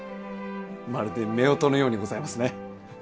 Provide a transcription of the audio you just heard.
まるで夫婦のようにございますね。